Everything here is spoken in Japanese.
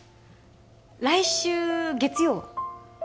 来週月曜は？